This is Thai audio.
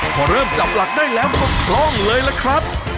พอเริ่มจับหลักได้แล้วก็คล่องเลยล่ะครับ